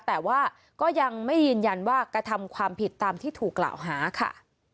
แต่ว่าก็ยังไม่ยืนยันว่ากระทำความผิดตามที่ถูกกล่าวหาค่ะ